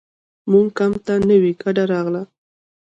زموږ کمپ ته نوې کډه راغله.